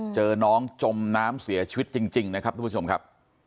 เจอน้องจมน้ำเสียชีวิตจริงนะครับทุกผู้ชมครับ